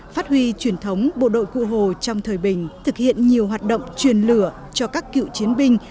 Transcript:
phát huy truyền thống bộ đội cụ hồ trong thời bình thực hiện nhiều hoạt động truyền lửa cho các cựu chiến binh